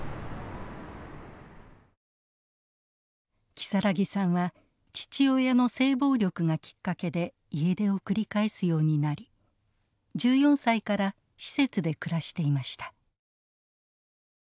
希咲さんは父親の性暴力がきっかけで家出を繰り返すようになり１４歳から施設で暮らしていました。